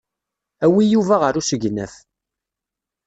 Awi Yuba ɣer usegnaf.